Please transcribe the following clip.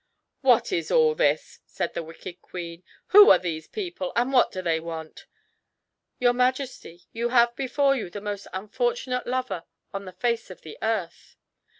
"What is all this?" said the wicked queen. "Who are these people? and what do they want?" "Your Majesty, you have before you the most unfortunate lover on the face of the earth."